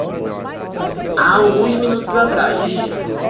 Há alguns minutos atrás